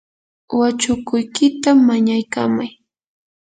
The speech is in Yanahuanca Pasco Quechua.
wachukuykita mañaykamay.